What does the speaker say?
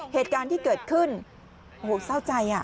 เหตุการณ์ที่เกิดขึ้นโหเศร้าใจ